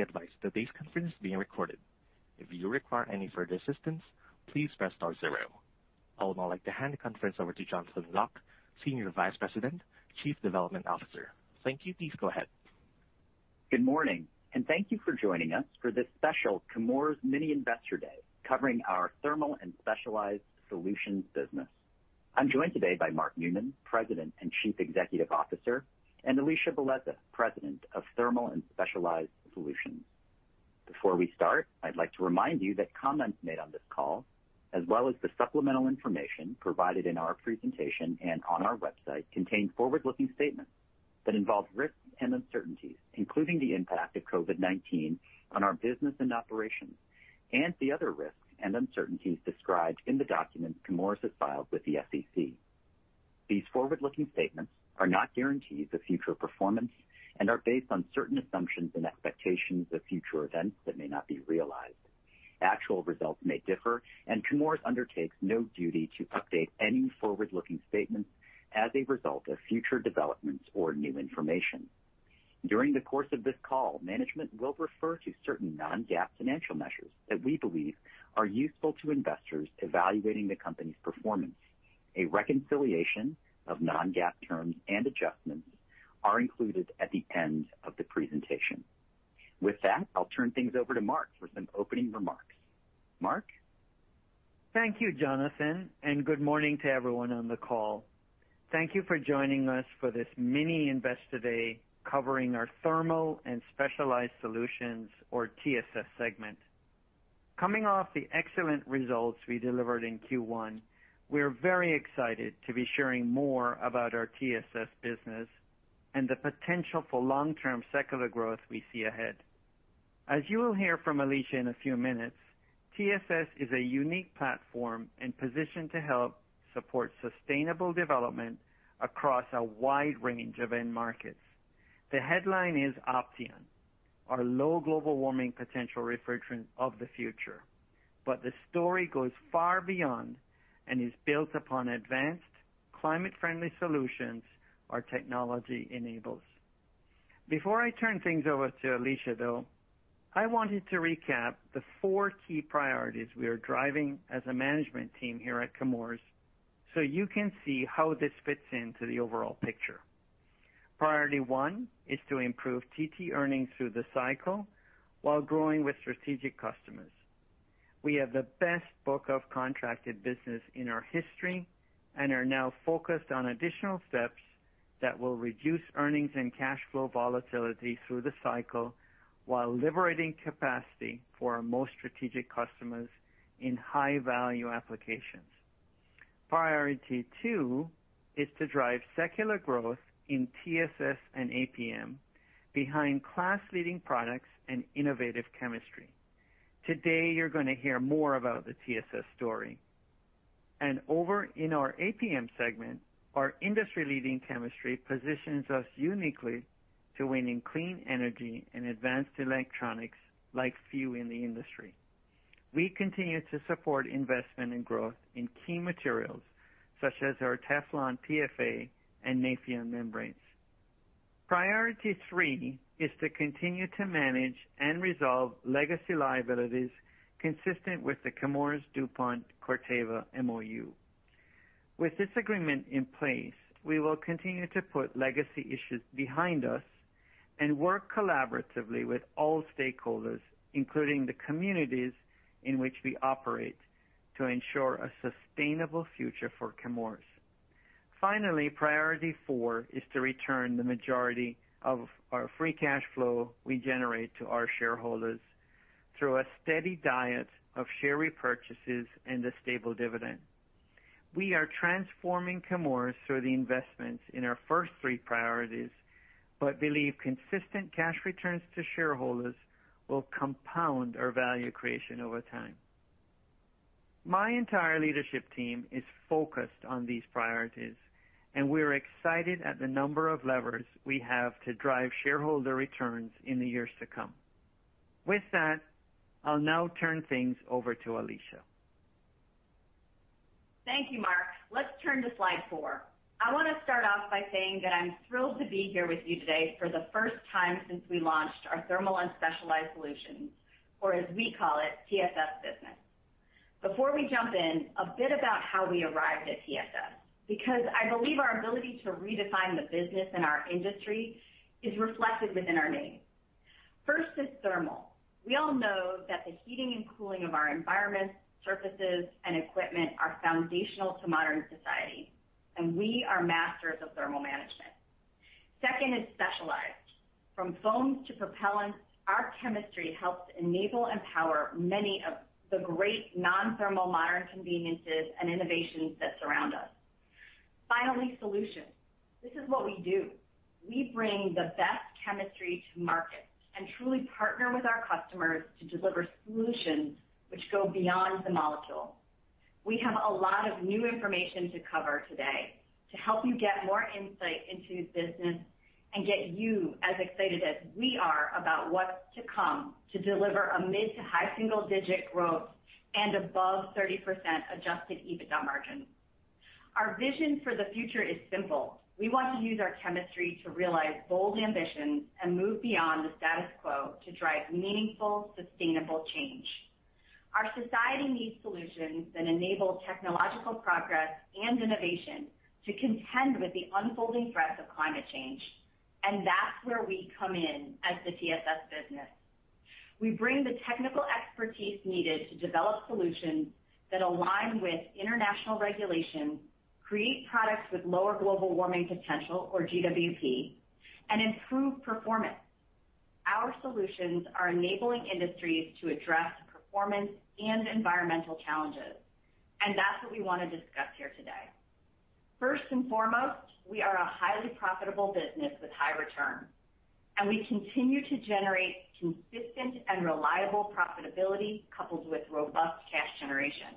Advise that today's conference is being recorded. If you require any further assistance, please press star zero. I would now like to hand the conference over to Jonathan Lock, Senior Vice President, Chief Development Officer. Thank you. Please go ahead. Good morning, and thank you for joining us for this special Chemours Mini Investor Day, covering our Thermal & Specialized Solutions business. I'm joined today by Mark Newman, President and Chief Executive Officer, and Alisha Bellezza, President of Thermal & Specialized Solutions. Before we start, I'd like to remind you that comments made on this call, as well as the supplemental information provided in our presentation and on our website, contain forward-looking statements that involve risks and uncertainties, including the impact of COVID-19 on our business and operations, and the other risks and uncertainties described in the documents Chemours has filed with the SEC. These forward-looking statements are not guarantees of future performance and are based on certain assumptions and expectations of future events that may not be realized. Actual results may differ, and Chemours undertakes no duty to update any forward-looking statements as a result of future developments or new information. During the course of this call, management will refer to certain non-GAAP financial measures that we believe are useful to investors evaluating the company's performance. A reconciliation of non-GAAP terms and adjustments are included at the end of the presentation. With that, I'll turn things over to Mark for some opening remarks. Mark? Thank you, Jonathan, and good morning to everyone on the call. Thank you for joining us for this Mini Investor Day covering our Thermal & Specialized Solutions or TSS segment. Coming off the excellent results we delivered in Q1, we are very excited to be sharing more about our TSS business and the potential for long-term secular growth we see ahead. As you will hear from Alisha in a few minutes, TSS is a unique platform and positioned to help support sustainable development across a wide range of end markets. The headline is Opteon, our low global warming potential refrigerant of the future. The story goes far beyond and is built upon advanced climate-friendly solutions our technology enables. Before I turn things over to Alisha, though, I wanted to recap the four key priorities we are driving as a management team here at Chemours, so you can see how this fits into the overall picture. Priority one is to improve TT earnings through the cycle while growing with strategic customers. We have the best book of contracted business in our history and are now focused on additional steps that will reduce earnings and cash flow volatility through the cycle while liberating capacity for our most strategic customers in high-value applications. Priority two is to drive secular growth in TSS and APM behind class-leading products and innovative chemistry. Today, you're gonna hear more about the TSS story. Over in our APM segment, our industry-leading chemistry positions us uniquely to win in clean energy and advanced electronics like few in the industry. We continue to support investment and growth in key materials such as our Teflon PFA and Nafion membranes. Priority three is to continue to manage and resolve legacy liabilities consistent with the Chemours-DuPont-Corteva MoU. With this agreement in place, we will continue to put legacy issues behind us and work collaboratively with all stakeholders, including the communities in which we operate, to ensure a sustainable future for Chemours. Finally, priority four is to return the majority of our free cash flow we generate to our shareholders through a steady diet of share repurchases and a stable dividend. We are transforming Chemours through the investments in our first three priorities, but believe consistent cash returns to shareholders will compound our value creation over time. My entire leadership team is focused on these priorities, and we're excited at the number of levers we have to drive shareholder returns in the years to come. With that, I'll now turn things over to Alisha. Thank you, Mark. Let's turn to slide four. I wanna start off by saying that I'm thrilled to be here with you today for the first time since we launched our Thermal & Specialized Solutions, or as we call it, TSS business. Before we jump in, a bit about how we arrived at TSS, because I believe our ability to redefine the business in our industry is reflected within our name. First is thermal. We all know that the heating and cooling of our environments, surfaces, and equipment are foundational to modern society, and we are masters of thermal management. Second is specialized. From foams to propellants, our chemistry helps enable and power many of the great non-thermal modern conveniences and innovations that surround us. Finally, solutions. This is what we do. We bring the best chemistry to market and truly partner with our customers to deliver solutions which go beyond the molecule. We have a lot of new information to cover today to help you get more insight into the business and get you as excited as we are about what's to come to deliver a mid- to high single-digit growth and above 30% adjusted EBITDA margin. Our vision for the future is simple. We want to use our chemistry to realize bold ambitions and move beyond the status quo to drive meaningful, sustainable change. Our society needs solutions that enable technological progress and innovation to contend with the unfolding threats of climate change, and that's where we come in as the TSS business. We bring the technical expertise needed to develop solutions that align with international regulations, create products with lower Global Warming Potential or GWP, and improve performance. Our solutions are enabling industries to address performance and environmental challenges, and that's what we wanna discuss here today. First and foremost, we are a highly profitable business with high returns, and we continue to generate consistent and reliable profitability coupled with robust cash generation.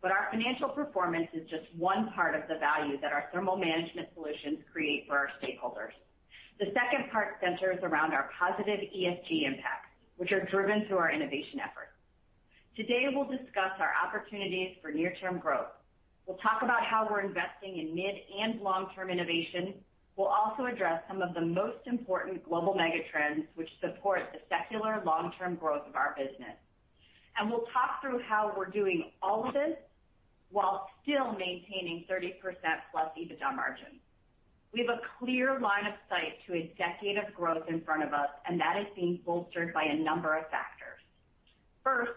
But our financial performance is just one part of the value that our thermal management solutions create for our stakeholders. The second part centers around our positive ESG impact, which are driven through our innovation efforts. Today, we'll discuss our opportunities for near-term growth. We'll talk about how we're investing in mid and long-term innovation. We'll also address some of the most important global mega trends which support the secular long-term growth of our business. We'll talk through how we're doing all of this while still maintaining 30%+ EBITDA margins. We have a clear line of sight to a decade of growth in front of us, and that is being bolstered by a number of factors. First,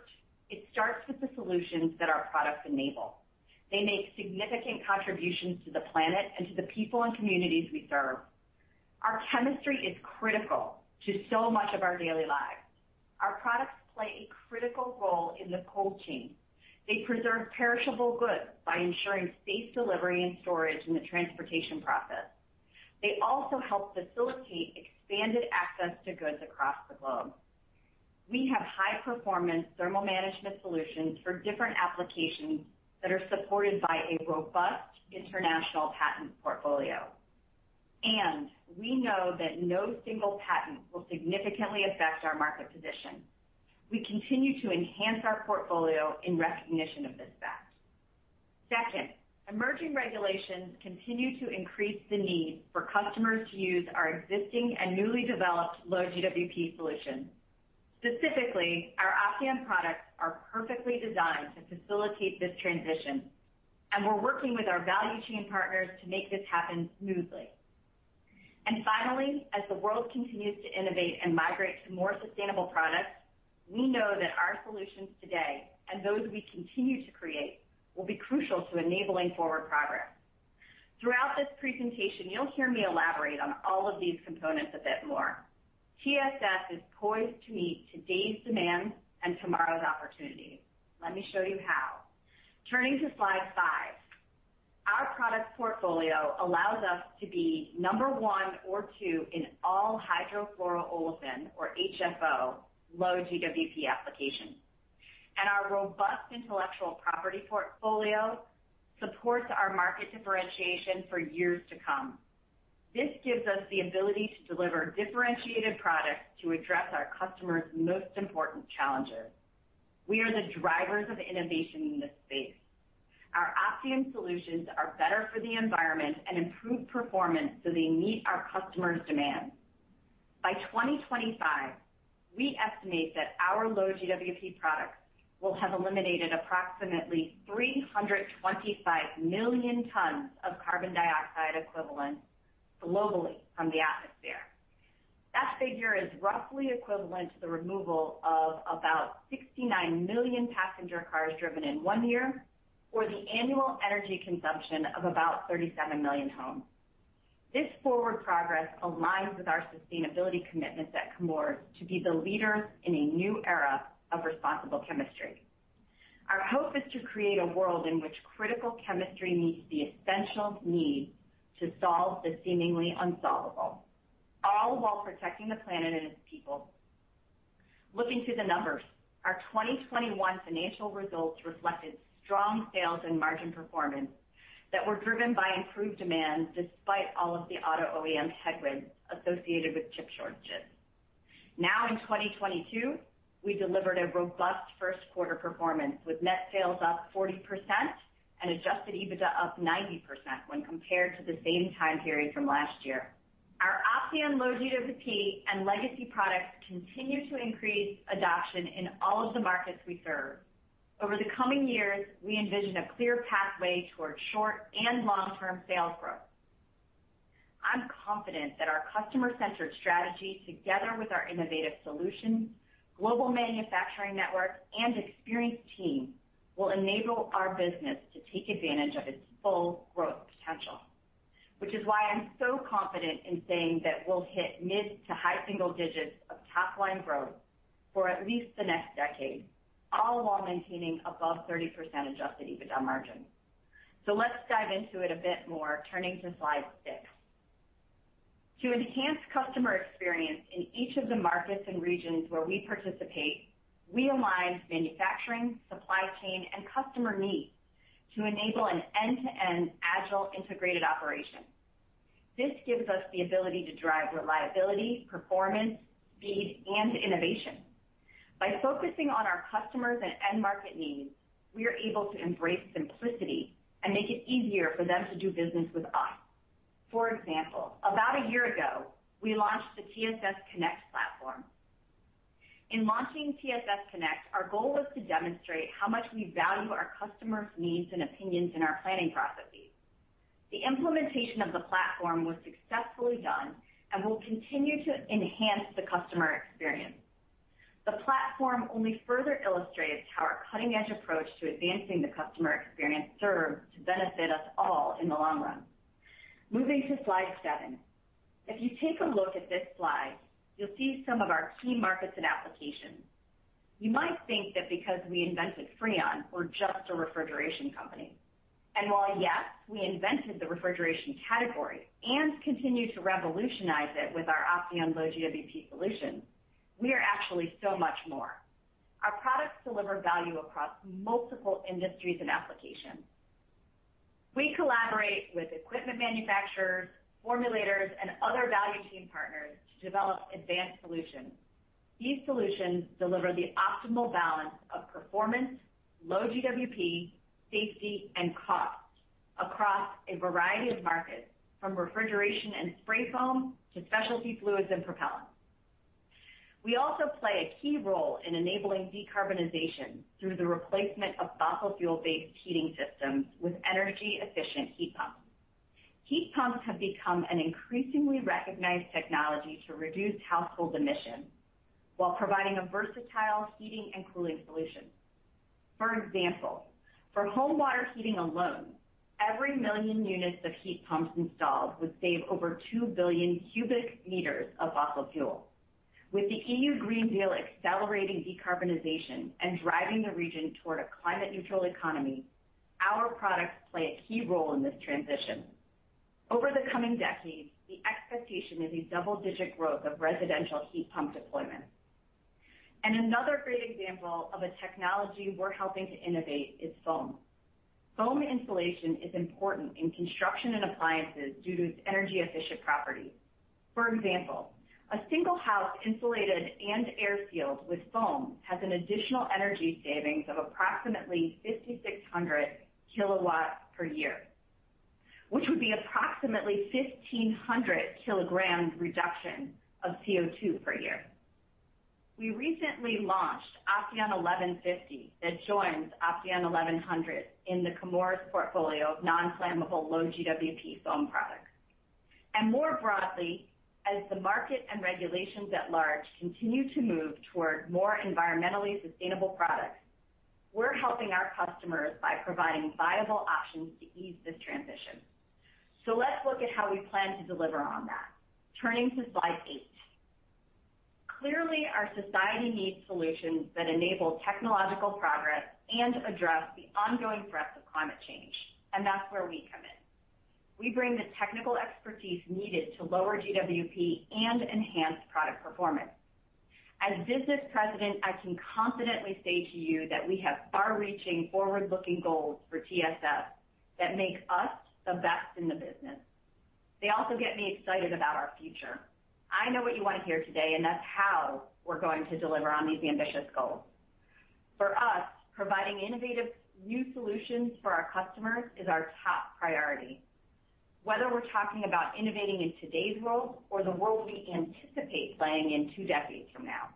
it starts with the solutions that our products enable. They make significant contributions to the planet and to the people and communities we serve. Our chemistry is critical to so much of our daily lives. Our products play a critical role in the cold chain. They preserve perishable goods by ensuring safe delivery and storage in the transportation process. They also help facilitate expanded access to goods across the globe. We have high-performance thermal management solutions for different applications that are supported by a robust international patent portfolio, and we know that no single patent will significantly affect our market position. We continue to enhance our portfolio in recognition of this fact. Second, emerging regulations continue to increase the need for customers to use our existing and newly developed low GWP solutions. Specifically, our Opteon products are perfectly designed to facilitate this transition, and we're working with our value chain partners to make this happen smoothly. Finally, as the world continues to innovate and migrate to more sustainable products, we know that our solutions today and those we continue to create will be crucial to enabling forward progress. Throughout this presentation, you'll hear me elaborate on all of these components a bit more. TSS is poised to meet today's demands and tomorrow's opportunities. Let me show you how. Turning to slide five. Our product portfolio allows us to be number one or two in all hydrofluoroolefin or HFO low GWP applications. Our robust intellectual property portfolio supports our market differentiation for years to come. This gives us the ability to deliver differentiated products to address our customers' most important challenges. We are the drivers of innovation in this space. Our Opteon solutions are better for the environment and improve performance, so they meet our customers' demands. By 2025, we estimate that our low GWP products will have eliminated approximately 325 million tons of carbon dioxide equivalent globally from the atmosphere. That figure is roughly equivalent to the removal of about 69 million passenger cars driven in one year or the annual energy consumption of about 37 million homes. This forward progress aligns with our sustainability commitments at Chemours to be the leader in a new era of responsible chemistry. Our hope is to create a world in which critical chemistry meets the essential need to solve the seemingly unsolvable, all while protecting the planet and its people. Looking to the numbers. Our 2021 financial results reflected strong sales and margin performance that were driven by improved demand despite all of the auto OEM headwinds associated with chip shortages. Now in 2022, we delivered a robust first quarter performance with net sales up 40% and adjusted EBITDA up 90% when compared to the same time period from last year. Our Opteon low GWP and legacy products continue to increase adoption in all of the markets we serve. Over the coming years, we envision a clear pathway towards short and long-term sales growth. I'm confident that our customer-centered strategy, together with our innovative solutions, global manufacturing network and experienced team, will enable our business to take advantage of its full growth potential. Which is why I'm so confident in saying that we'll hit mid to high single digits of top line growth for at least the next decade, all while maintaining above 30% adjusted EBITDA margin. Let's dive into it a bit more, turning to slide six. To enhance customer experience in each of the markets and regions where we participate, we align manufacturing, supply chain, and customer needs to enable an end-to-end agile, integrated operation. This gives us the ability to drive reliability, performance, speed and innovation. By focusing on our customers and end market needs, we are able to embrace simplicity and make it easier for them to do business with us. For example, about a year ago, we launched the TSS Connect platform. In launching TSS Connect, our goal was to demonstrate how much we value our customers' needs and opinions in our planning processes. The implementation of the platform was successfully done and will continue to enhance the customer experience. The platform only further illustrates how our cutting-edge approach to advancing the customer experience serves to benefit us all in the long run. Moving to slide seven. If you take a look at this slide, you'll see some of our key markets and applications. You might think that because we invented Freon, we're just a refrigeration company. While yes, we invented the refrigeration category and continue to revolutionize it with our Opteon low GWP solutions, we are actually so much more. Our products deliver value across multiple industries and applications. We collaborate with equipment manufacturers, formulators, and other value chain partners to develop advanced solutions. These solutions deliver the optimal balance of performance, low GWP, safety and cost across a variety of markets from refrigeration and spray foam to specialty fluids and propellants. We also play a key role in enabling decarbonization through the replacement of fossil fuel-based heating systems with energy-efficient heat pumps. Heat pumps have become an increasingly recognized technology to reduce household emissions while providing a versatile heating and cooling solution. For example, for home water heating alone, every million units of heat pumps installed would save over 2 billion cubic meters of fossil fuel. With the European Green Deal accelerating decarbonization and driving the region toward a climate-neutral economy, our products play a key role in this transition. Over the coming decades, the expectation is a double-digit growth of residential heat pump deployment. Another great example of a technology we're helping to innovate is foam. Foam insulation is important in construction and appliances due to its energy-efficient properties. For example, a single house insulated and air sealed with foam has an additional energy savings of approximately 5,600 kilowatts per year, which would be approximately 1,500 kilograms reduction of CO2 per year. We recently launched Opteon 1150 that joins Opteon 1100 in the Chemours portfolio of non-flammable, low GWP foam products. More broadly, as the market and regulations at large continue to move toward more environmentally sustainable products, we're helping our customers by providing viable options to ease this transition. Let's look at how we plan to deliver on that. Turning to slide eight. Clearly, our society needs solutions that enable technological progress and address the ongoing threat of climate change. That's where we come in. We bring the technical expertise needed to lower GWP and enhance product performance. As business president, I can confidently say to you that we have far-reaching, forward-looking goals for TSS that make us the best in the business. They also get me excited about our future. I know what you want to hear today, and that's how we're going to deliver on these ambitious goals. For us, providing innovative new solutions for our customers is our top priority. Whether we're talking about innovating in today's world or the world we anticipate playing in two decades from now,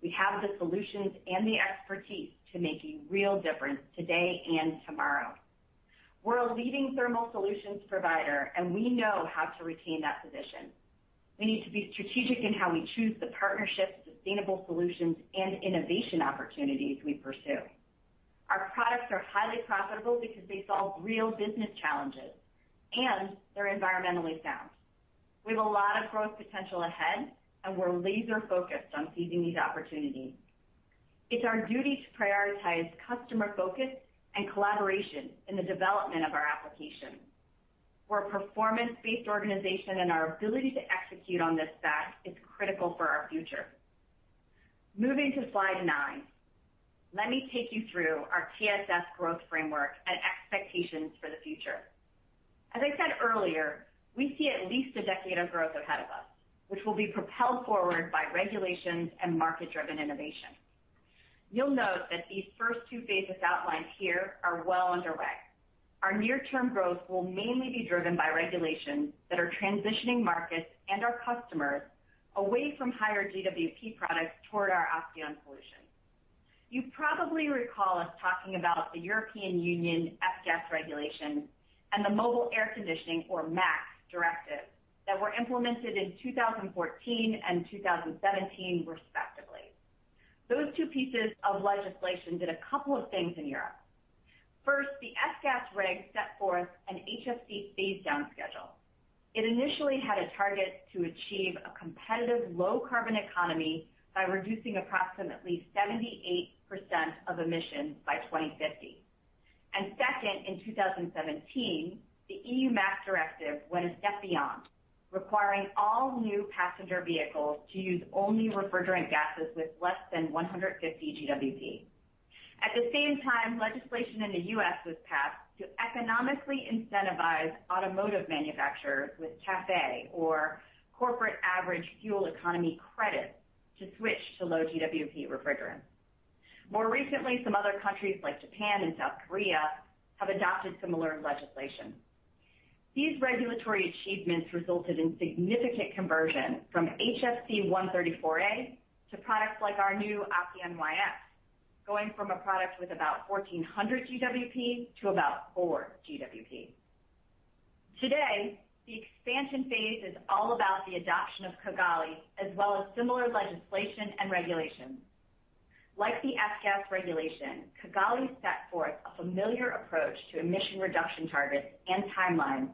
we have the solutions and the expertise to make a real difference today and tomorrow. We're a leading thermal solutions provider, and we know how to retain that position. We need to be strategic in how we choose the partnerships, sustainable solutions, and innovation opportunities we pursue. Our products are highly profitable because they solve real business challenges, and they're environmentally sound. We have a lot of growth potential ahead, and we're laser focused on seizing these opportunities. It's our duty to prioritize customer focus and collaboration in the development of our applications. We're a performance-based organization, and our ability to execute on this fact is critical for our future. Moving to slide nine, let me take you through our TSS growth framework and expectations for the future. As I said earlier, we see at least a decade of growth ahead of us, which will be propelled forward by regulations and market-driven innovation. You'll note that these first two phases outlined here are well underway. Our near-term growth will mainly be driven by regulations that are transitioning markets and our customers away from higher GWP products toward our Opteon solutions. You probably recall us talking about the European Union F-Gas Regulation and the Mobile Air Conditioning, or MAC Directive, that were implemented in 2014 and 2017, respectively. Those two pieces of legislation did a couple of things in Europe. First, the F-Gas reg set forth an HFC phase down schedule. It initially had a target to achieve a competitive low carbon economy by reducing approximately 78% of emissions by 2050. Second, in 2017, the EU MAC Directive went a step beyond, requiring all new passenger vehicles to use only refrigerant gases with less than 150 GWP. At the same time, legislation in the U.S. was passed to economically incentivize automotive manufacturers with CAFE or Corporate Average Fuel Economy credits to switch to low GWP refrigerants. More recently, some other countries like Japan and South Korea have adopted similar legislation. These regulatory achievements resulted in significant conversion from HFC-134a to products like our new Opteon YF, going from a product with about 1,400 GWP to about 4 GWP. Today, the expansion phase is all about the adoption of Kigali as well as similar legislation and regulations. Like the F-Gas Regulation, Kigali set forth a familiar approach to emission reduction targets and timelines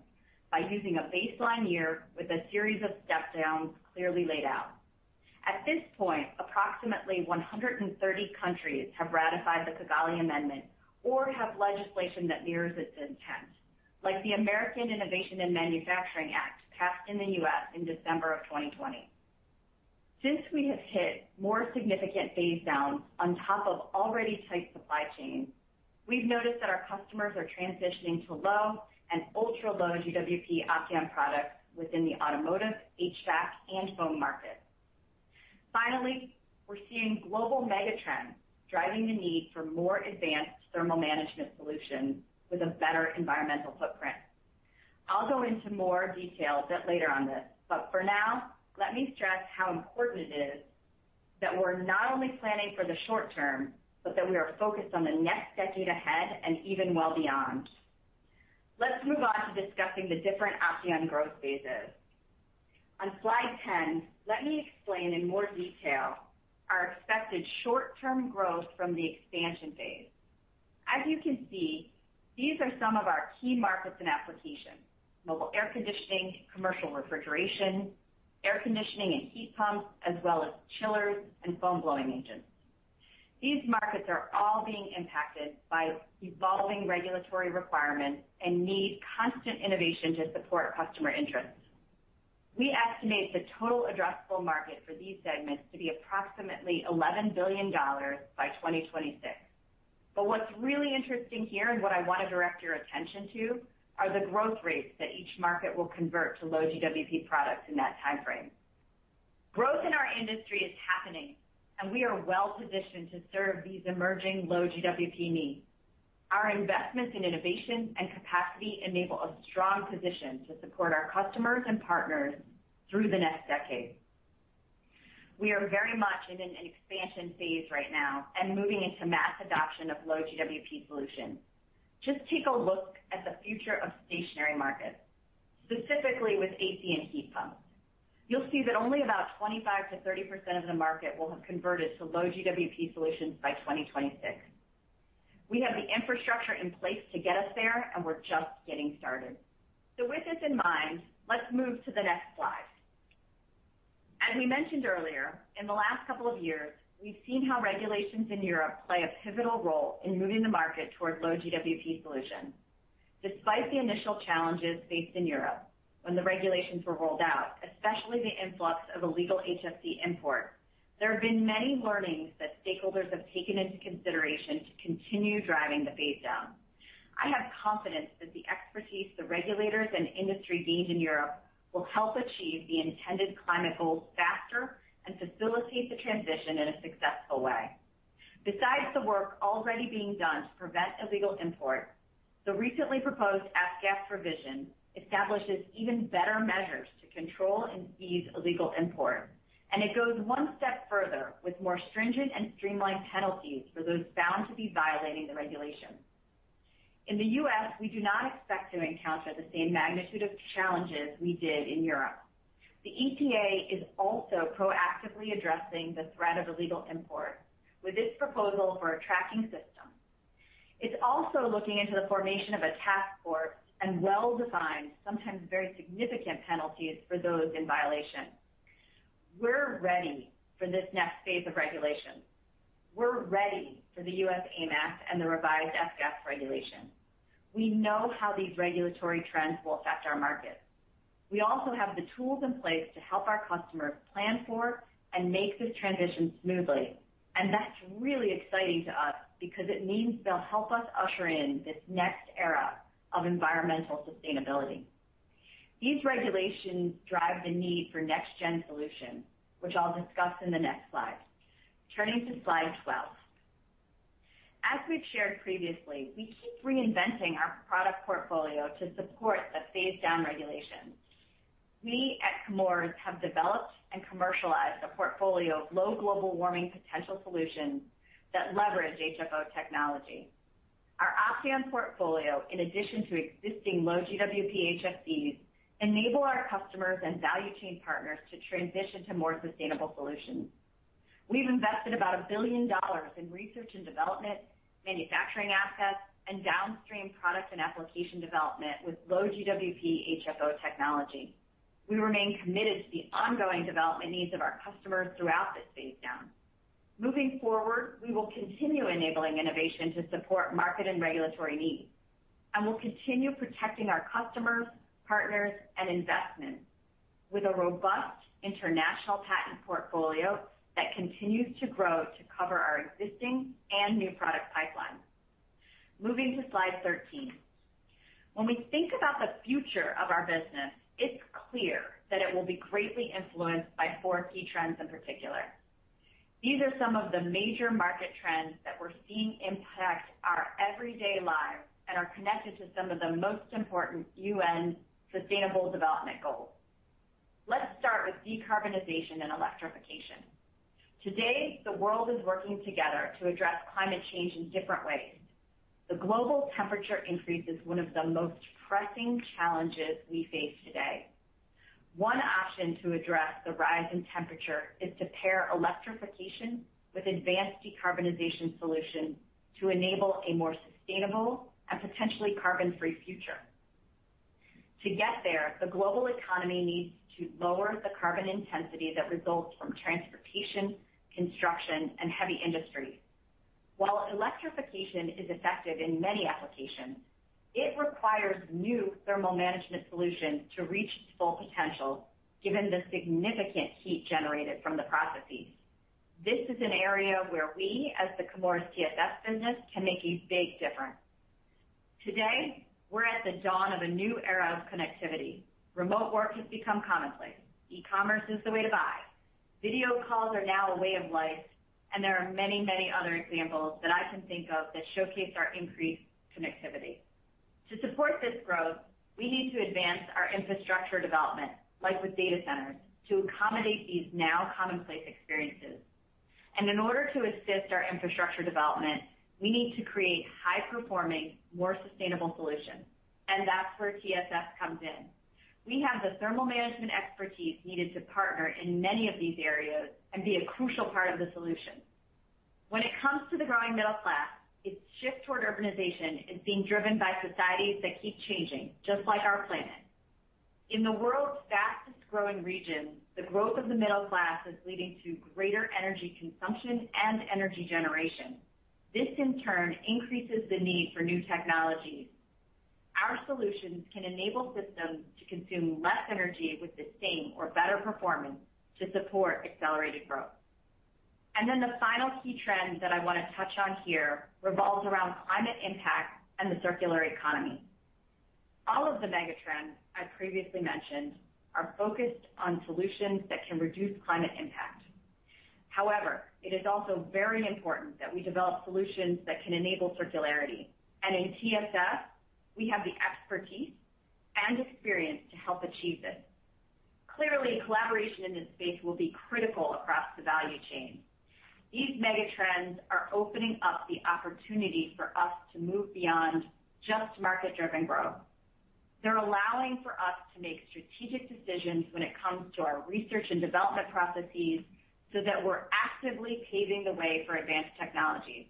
by using a baseline year with a series of step downs clearly laid out. At this point, approximately 130 countries have ratified the Kigali Amendment or have legislation that mirrors its intent. Like the American Innovation and Manufacturing Act passed in the U.S. in December of 2020. Since we have hit more significant phase downs on top of already tight supply chains, we've noticed that our customers are transitioning to low and ultra-low GWP Opteon products within the automotive, HVAC, and foam market. Finally, we're seeing global mega trends driving the need for more advanced thermal management solutions with a better environmental footprint. I'll go into more detail a bit later on this, but for now, let me stress how important it is that we're not only planning for the short term, but that we are focused on the next decade ahead and even well beyond. Let's move on to discussing the different Opteon growth phases. On slide 10, let me explain in more detail our expected short-term growth from the expansion phase. As you can see, these are some of our key markets and applications, mobile air conditioning, commercial refrigeration, air conditioning and heat pumps, as well as chillers and foam blowing agents. These markets are all being impacted by evolving regulatory requirements and need constant innovation to support customer interests. We estimate the total addressable market for these segments to be approximately $11 billion by 2026. What's really interesting here and what I want to direct your attention to are the growth rates that each market will convert to low GWP products in that timeframe. Growth in our industry is happening, and we are well positioned to serve these emerging low GWP needs. Our investments in innovation and capacity enable a strong position to support our customers and partners through the next decade. We are very much in an expansion phase right now and moving into mass adoption of low GWP solutions. Just take a look at the future of stationary markets, specifically with AC and heat pumps. You'll see that only about 25%-30% of the market will have converted to low GWP solutions by 2026. We have the infrastructure in place to get us there, and we're just getting started. With this in mind, let's move to the next slide. As we mentioned earlier, in the last couple of years, we've seen how regulations in Europe play a pivotal role in moving the market towards low GWP solutions. Despite the initial challenges faced in Europe when the regulations were rolled out, especially the influx of illegal HFC imports, there have been many learnings that stakeholders have taken into consideration to continue driving the phase down. I have confidence that the expertise the regulators and industry gained in Europe will help achieve the intended climate goals faster and facilitate the transition in a successful way. Besides the work already being done to prevent illegal imports, the recently proposed F-Gas provision establishes even better measures to control and ease illegal imports, and it goes one step further with more stringent and streamlined penalties for those found to be violating the regulations. In the U.S., we do not expect to encounter the same magnitude of challenges we did in Europe. The EPA is also proactively addressing the threat of illegal imports with its proposal for a tracking system. It's also looking into the formation of a task force and well-defined, sometimes very significant penalties for those in violation. We're ready for this next phase of regulation. We're ready for the U.S. AIM Act and the revised F-Gas regulation. We know how these regulatory trends will affect our markets. We also have the tools in place to help our customers plan for and make this transition smoothly. That's really exciting to us because it means they'll help us usher in this next era of environmental sustainability. These regulations drive the need for next-gen solutions, which I'll discuss in the next slide. Turning to slide 12. As we've shared previously, we keep reinventing our product portfolio to support the phase down regulations. We at Chemours have developed and commercialized a portfolio of low global warming potential solutions that leverage HFO technology. Our Opteon portfolio, in addition to existing low GWP HFCs, enable our customers and value chain partners to transition to more sustainable solutions. We've invested about $1 billion in research and development, manufacturing assets, and downstream product and application development with low GWP HFO technology. We remain committed to the ongoing development needs of our customers throughout this phase down. Moving forward, we will continue enabling innovation to support market and regulatory needs. We'll continue protecting our customers, partners, and investments with a robust international patent portfolio that continues to grow to cover our existing and new product pipelines. Moving to slide 13. When we think about the future of our business, it's clear that it will be greatly influenced by four key trends in particular. These are some of the major market trends that we're seeing impact our everyday lives and are connected to some of the most important U.N. Sustainable Development Goals. Let's start with decarbonization and electrification. Today, the world is working together to address climate change in different ways. The global temperature increase is one of the most pressing challenges we face today. One option to address the rise in temperature is to pair electrification with advanced decarbonization solutions to enable a more sustainable and potentially carbon-free future. To get there, the global economy needs to lower the carbon intensity that results from transportation, construction, and heavy industry. While electrification is effective in many applications, it requires new thermal management solutions to reach its full potential, given the significant heat generated from the processes. This is an area where we, as the Chemours TSS business, can make a big difference. Today, we're at the dawn of a new era of connectivity. Remote work has become commonplace. E-commerce is the way to buy. Video calls are now a way of life, and there are many, many other examples that I can think of that showcase our increased connectivity. To support this growth, we need to advance our infrastructure development, like with data centers, to accommodate these now commonplace experiences. In order to assist our infrastructure development, we need to create high-performing, more sustainable solutions. That's where TSS comes in. We have the thermal management expertise needed to partner in many of these areas and be a crucial part of the solution. When it comes to the growing middle class, its shift toward urbanization is being driven by societies that keep changing, just like our planet. In the world's fastest-growing regions, the growth of the middle class is leading to greater energy consumption and energy generation. This, in turn, increases the need for new technologies. Our solutions can enable systems to consume less energy with the same or better performance to support accelerated growth. Then the final key trend that I want to touch on here revolves around climate impact and the circular economy. All of the mega trends I previously mentioned are focused on solutions that can reduce climate impact. However, it is also very important that we develop solutions that can enable circularity. In TSS, we have the expertise and experience to help achieve this. Clearly, collaboration in this space will be critical across the value chain. These mega trends are opening up the opportunity for us to move beyond just market-driven growth. They're allowing for us to make strategic decisions when it comes to our research and development processes so that we're actively paving the way for advanced technologies.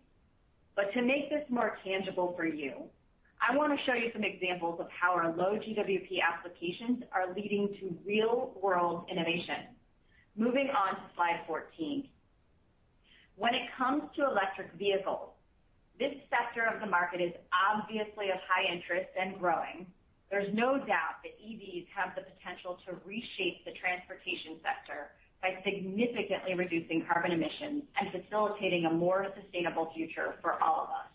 To make this more tangible for you, I want to show you some examples of how our low GWP applications are leading to real-world innovation. Moving on to slide 14. When it comes to electric vehicles, this sector of the market is obviously of high interest and growing. There's no doubt that EVs have the potential to reshape the transportation sector by significantly reducing carbon emissions and facilitating a more sustainable future for all of us.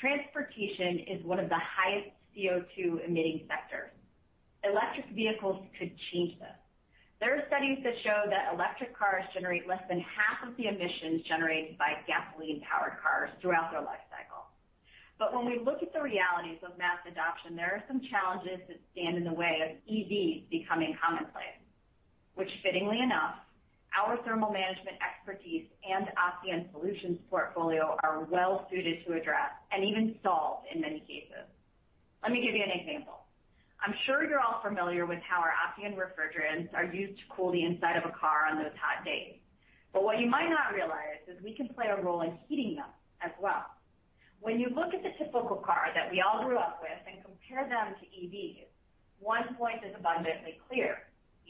Transportation is one of the highest CO₂ emitting sectors. Electric vehicles could change this. There are studies that show that electric cars generate less than half of the emissions generated by gasoline-powered cars throughout their lifecycle. When we look at the realities of mass adoption, there are some challenges that stand in the way of EVs becoming commonplace, which, fittingly enough, our thermal management expertise and Opteon solutions portfolio are well suited to address and even solve in many cases. Let me give you an example. I'm sure you're all familiar with how our Opteon refrigerants are used to cool the inside of a car on those hot days. What you might not realize is we can play a role in heating them as well. When you look at the typical car that we all grew up with and compare them to EVs, one point is abundantly clear.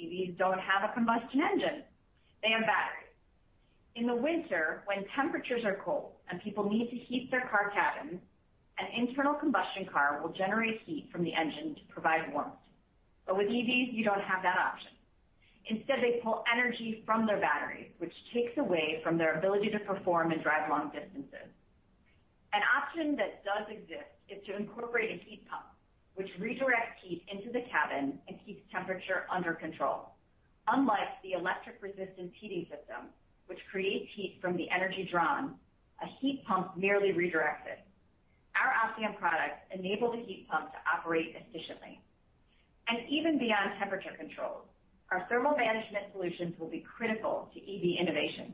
EVs don't have a combustion engine. They have batteries. In the winter, when temperatures are cold and people need to heat their car cabin, an internal combustion car will generate heat from the engine to provide warmth. With EVs, you don't have that option. Instead, they pull energy from their battery, which takes away from their ability to perform and drive long distances. An option that does exist is to incorporate a heat pump, which redirects heat into the cabin and keeps temperature under control. Unlike the electric resistance heating system, which creates heat from the energy drawn, a heat pump merely redirects it. Our Opteon products enable the heat pump to operate efficiently. Even beyond temperature control, our thermal management solutions will be critical to EV innovation.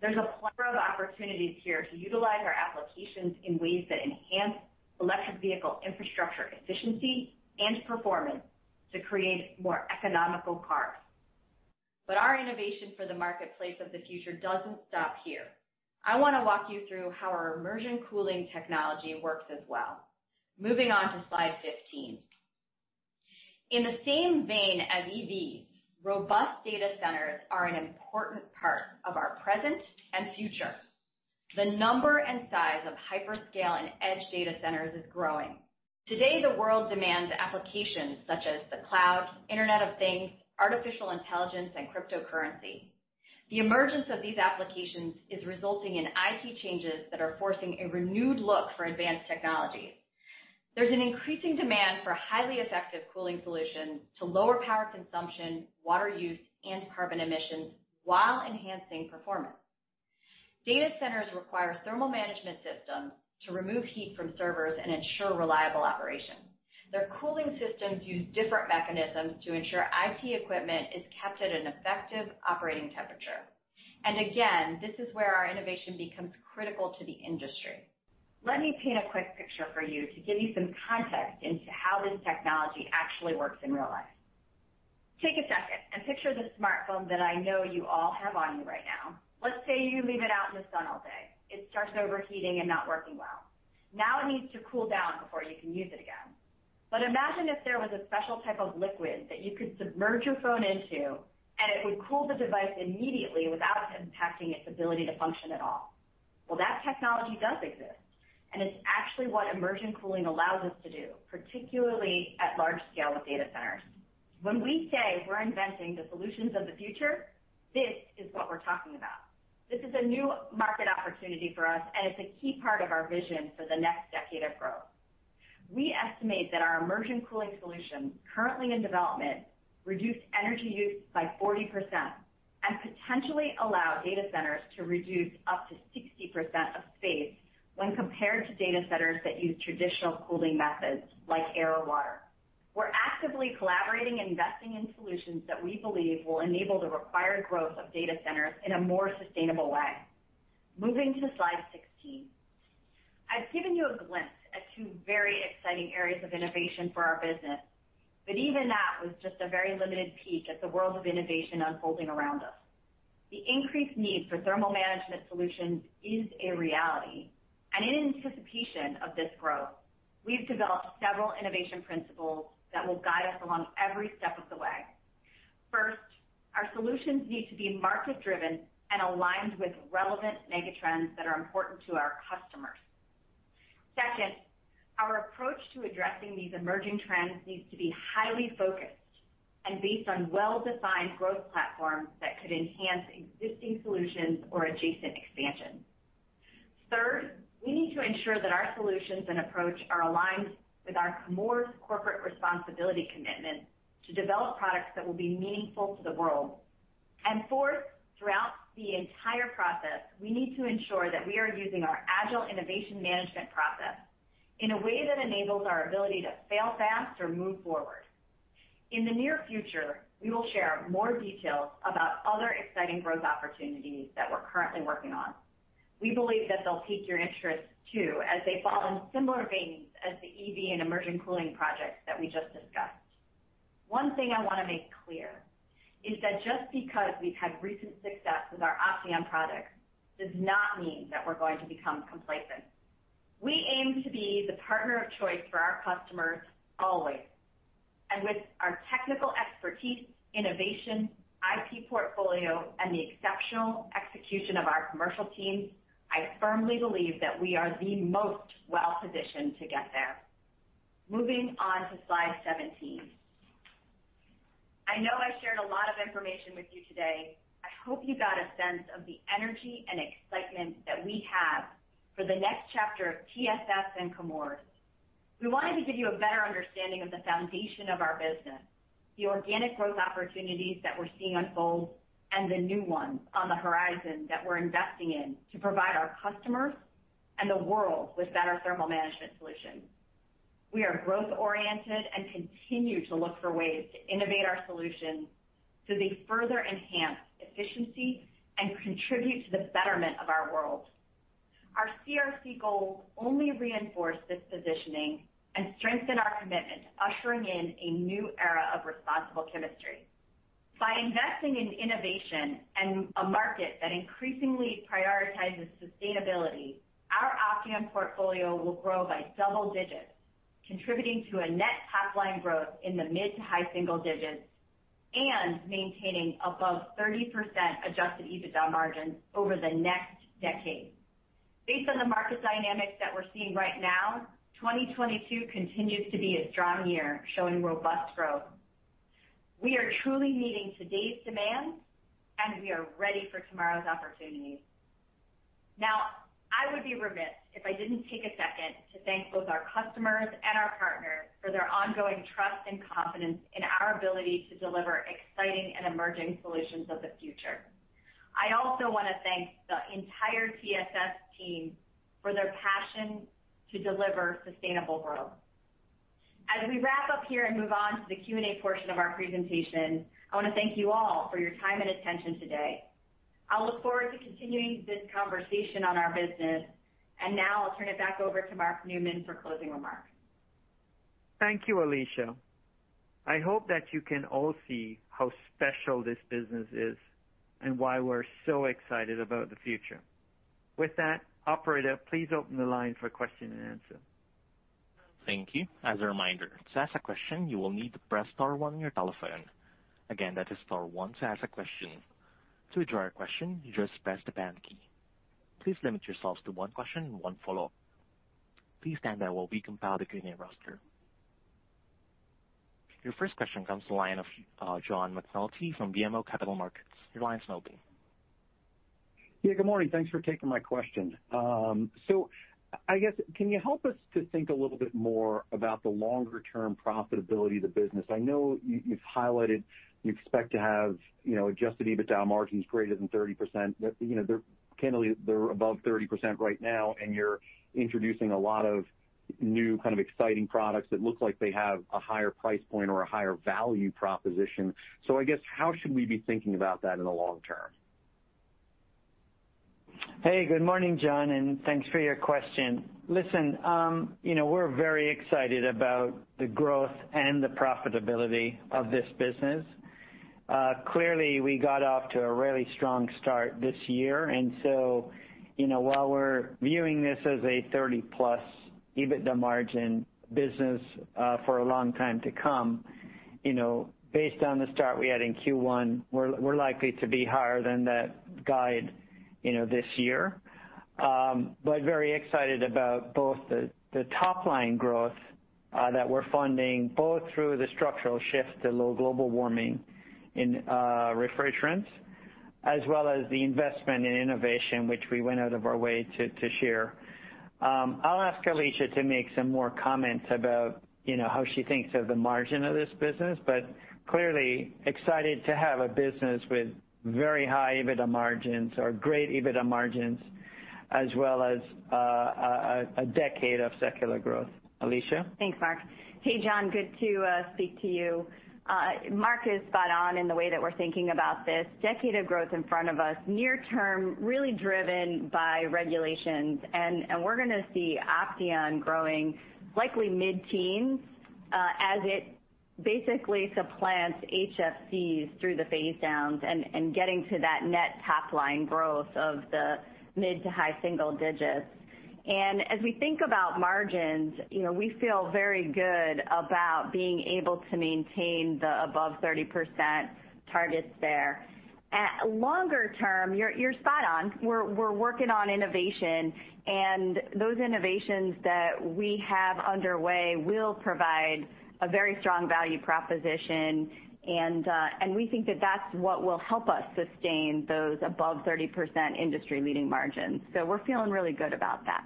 There's a plethora of opportunities here to utilize our applications in ways that enhance electric vehicle infrastructure efficiency and performance to create more economical cars. Our innovation for the marketplace of the future doesn't stop here. I want to walk you through how our immersion cooling technology works as well. Moving on to slide 15. In the same vein as EVs, robust data centers are an important part of our present and future. The number and size of hyperscale and edge data centers is growing. Today, the world demands applications such as the cloud, Internet of Things, artificial intelligence, and cryptocurrency. The emergence of these applications is resulting in IT changes that are forcing a renewed look for advanced technology. There's an increasing demand for highly effective cooling solutions to lower power consumption, water use, and carbon emissions while enhancing performance. Data centers require thermal management systems to remove heat from servers and ensure reliable operation. Their cooling systems use different mechanisms to ensure IT equipment is kept at an effective operating temperature. Again, this is where our innovation becomes critical to the industry. Let me paint a quick picture for you to give you some context into how this technology actually works in real life. Take a second and picture the smartphone that I know you all have on you right now. Let's say you leave it out in the sun all day. It starts overheating and not working well. Now it needs to cool down before you can use it again. Imagine if there was a special type of liquid that you could submerge your phone into, and it would cool the device immediately without impacting its ability to function at all. Well, that technology does exist, and it's actually what immersion cooling allows us to do, particularly at large scale with data centers. When we say we're inventing the solutions of the future, this is what we're talking about. This is a new market opportunity for us, and it's a key part of our vision for the next decade of growth. We estimate that our immersion cooling solution currently in development reduced energy use by 40% and potentially allow data centers to reduce up to 60% of space when compared to data centers that use traditional cooling methods like air or water. We're actively collaborating and investing in solutions that we believe will enable the required growth of data centers in a more sustainable way. Moving to slide 16. I've given you a glimpse at two very exciting areas of innovation for our business, but even that was just a very limited peek at the world of innovation unfolding around us. The increased need for thermal management solutions is a reality, and in anticipation of this growth, we've developed several innovation principles that will guide us along every step of the way. First, our solutions need to be market-driven and aligned with relevant mega trends that are important to our customers. Second, our approach to addressing these emerging trends needs to be highly focused and based on well-defined growth platforms that could enhance existing solutions or adjacent expansion. Third, we need to ensure that our solutions and approach are aligned with our Chemours corporate responsibility commitment to develop products that will be meaningful to the world. Fourth, throughout the entire process, we need to ensure that we are using our agile innovation management process in a way that enables our ability to fail fast or move forward. In the near future, we will share more details about other exciting growth opportunities that we're currently working on. We believe that they'll pique your interest too, as they fall in similar veins as the EV and immersion cooling projects that we just discussed. One thing I wanna make clear is that just because we've had recent success with our Opteon product does not mean that we're going to become complacent. We aim to be the partner of choice for our customers always. With our technical expertise, innovation, IT portfolio, and the exceptional execution of our commercial teams, I firmly believe that we are the most well-positioned to get there. Moving on to slide 17. I know I shared a lot of information with you today. I hope you got a sense of the energy and excitement that we have for the next chapter of TSS and Chemours. We wanted to give you a better understanding of the foundation of our business, the organic growth opportunities that we're seeing unfold, and the new ones on the horizon that we're investing in to provide our customers and the world with better thermal management solutions. We are growth-oriented and continue to look for ways to innovate our solutions so they further enhance efficiency and contribute to the betterment of our world. Our CRC goals only reinforce this positioning and strengthen our commitment to ushering in a new era of responsible chemistry. By investing in innovation and a market that increasingly prioritizes sustainability, our Opteon portfolio will grow by double digits, contributing to a net top line growth in the mid- to high-single digits and maintaining above 30% adjusted EBITDA margins over the next decade. Based on the market dynamics that we're seeing right now, 2022 continues to be a strong year, showing robust growth. We are truly meeting today's demands, and we are ready for tomorrow's opportunities. Now, I would be remiss if I didn't take a second to thank both our customers and our partners for their ongoing trust and confidence in our ability to deliver exciting and emerging solutions of the future. I also wanna thank the entire TSS team for their passion to deliver sustainable growth. As we wrap up here and move on to the Q&A portion of our presentation, I wanna thank you all for your time and attention today. I'll look forward to continuing this conversation on our business, and now I'll turn it back over to Mark Newman for closing remarks. Thank you, Alisha. I hope that you can all see how special this business is and why we're so excited about the future. With that, operator, please open the line for question and answer. Thank you. As a reminder, to ask a question, you will need to press star one on your telephone. Again, that is star one to ask a question. To withdraw your question, you just press the pound key. Please limit yourselves to one question and one follow-up. Please stand by while we compile the queuing roster. Your first question comes to the line of John McNulty from BMO Capital Markets. Your line's now open. Yeah, good morning. Thanks for taking my question. So I guess can you help us to think a little bit more about the longer term profitability of the business? I know you've highlighted you expect to have, you know, adjusted EBITDA margins greater than 30%. That, you know, they're candidly, they're above 30% right now, and you're introducing a lot of new kind of exciting products that look like they have a higher price point or a higher value proposition. I guess how should we be thinking about that in the long term? Hey, good morning, John, and thanks for your question. Listen, you know, we're very excited about the growth and the profitability of this business. Clearly, we got off to a really strong start this year, and so, you know, while we're viewing this as a 30-plus EBITDA margin business, for a long time to come, you know, based on the start we had in Q1, we're likely to be higher than that guide, you know, this year. But very excited about both the top line growth, that we're funding, both through the structural shift to low global warming in refrigerants, as well as the investment in innovation which we went out of our way to share. I'll ask Alisha to make some more comments about, you know, how she thinks of the margin of this business, but clearly excited to have a business with very high EBITDA margins or great EBITDA margins as well as a decade of secular growth. Alisha. Thanks, Mark. Hey, John, good to speak to you. Mark is spot on in the way that we're thinking about this decade of growth in front of us, near term, really driven by regulations. We're gonna see Opteon growing likely mid-teens, as it basically supplants HFCs through the phase downs and getting to that net top line growth of the mid- to high-single-digits. As we think about margins, you know, we feel very good about being able to maintain the above 30% targets there. At longer term, you're spot on. We're working on innovation, and those innovations that we have underway will provide a very strong value proposition, and we think that that's what will help us sustain those above 30% industry-leading margins. We're feeling really good about that.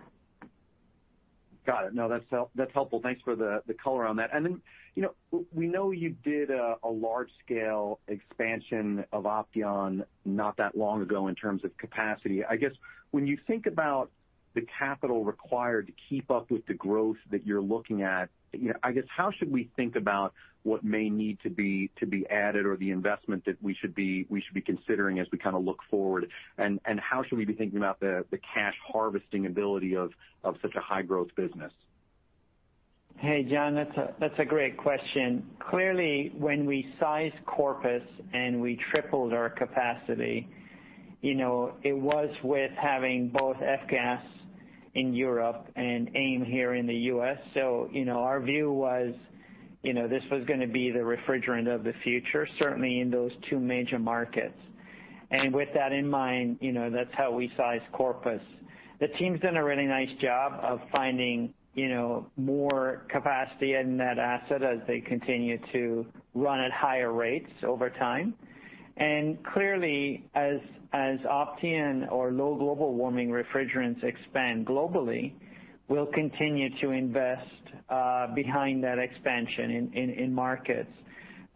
Got it. No, that's helpful. Thanks for the color on that. Then, you know, we know you did a large scale expansion of Opteon not that long ago in terms of capacity. I guess when you think about the capital required to keep up with the growth that you're looking at, you know, I guess how should we think about what may need to be added or the investment that we should be considering as we kind of look forward? How should we be thinking about the cash harvesting ability of such a high growth business? Hey, John, that's a great question. Clearly, when we sized Corpus Christi and we tripled our capacity, you know, it was with having both F-Gas in Europe and AIM here in the U.S. Our view was, you know, this was gonna be the refrigerant of the future, certainly in those two major markets. With that in mind, you know, that's how we sized Corpus Christi. The team's done a really nice job of finding, you know, more capacity in that asset as they continue to run at higher rates over time. Clearly, as Opteon or low global warming refrigerants expand globally, we'll continue to invest behind that expansion in markets.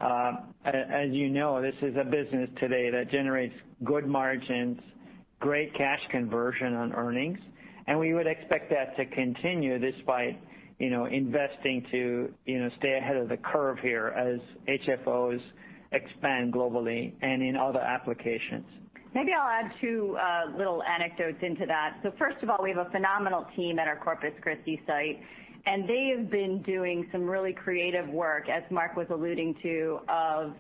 As you know, this is a business today that generates good margins, great cash conversion on earnings, and we would expect that to continue despite, you know, investing to, you know, stay ahead of the curve here as HFOs expand globally and in other applications. Maybe I'll add two little anecdotes into that. First of all, we have a phenomenal team at our Corpus Christi site, and they have been doing some really creative work, as Mark was alluding to, of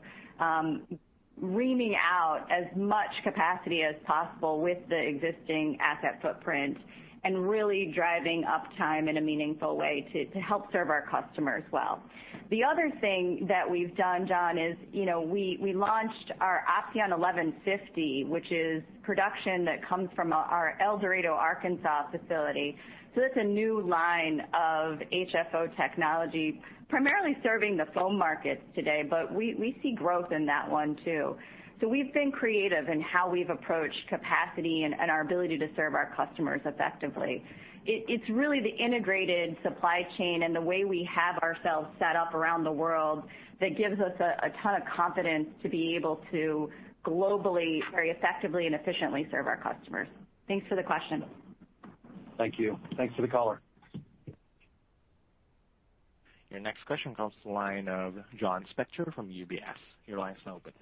reaming out as much capacity as possible with the existing asset footprint and really driving uptime in a meaningful way to help serve our customers well. The other thing that we've done, John, is we launched our Opteon 1150, which is production that comes from our El Dorado, Arkansas facility. That's a new line of HFO technology, primarily serving the foam markets today, but we see growth in that one too. We've been creative in how we've approached capacity and our ability to serve our customers effectively. It's really the integrated supply chain and the way we have ourselves set up around the world that gives us a ton of confidence to be able to globally very effectively and efficiently serve our customers. Thanks for the question. Thank you. Thanks for the color. Your next question comes to the line of Josh Spector from UBS. Your line is now open.